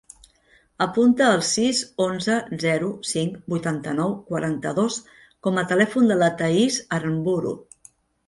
Apunta el sis, onze, zero, cinc, vuitanta-nou, quaranta-dos com a telèfon de la Thaís Aranburu.